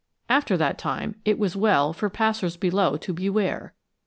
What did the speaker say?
After that time it was well for passers below to beware.